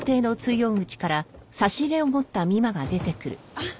あっ。